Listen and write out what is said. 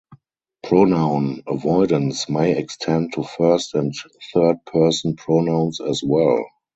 Pronoun avoidance may extend to first and third person pronouns as well.